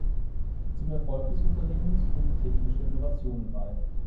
Zum Erfolg des Unternehmens trugen technische Innovationen bei.